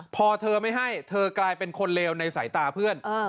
พอเธอไม่ให้เธอกลายเป็นคนเลวในสายตาเพื่อน